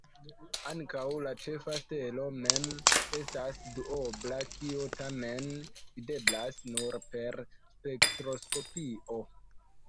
Ankaŭ la ĉefa stelo mem estas duobla, kio tamen videblas nur per spektroskopio.